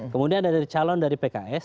kemudian ada dari calon dari pks